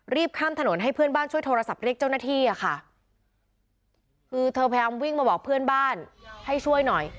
ข้ามถนนให้เพื่อนบ้านช่วยโทรศัพท์เรียกเจ้าหน้าที่อะค่ะคือเธอพยายามวิ่งมาบอกเพื่อนบ้านให้ช่วยหน่อย